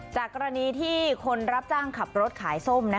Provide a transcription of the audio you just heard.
จากกรณีที่คนรับจ้างขับรถขายส้ม